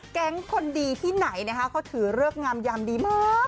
แก๊งคนดีที่ไหนเขาถือเหลืองามยำดีมาก